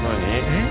えっ？